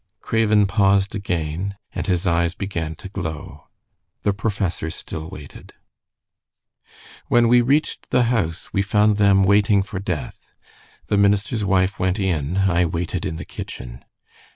Craven paused again, and his eyes began to glow. The professor still waited. "When we reached the house we found them waiting for death. The minister's wife went in, I waited in the kitchen.